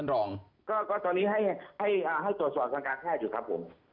ให้คุณหมอตรวจสอบทางการแพทย์นะครับ